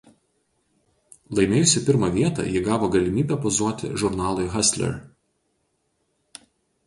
Laimėjusi pirmą vietą ji gavo galimybę pozuoti žurnalui „Hustler“.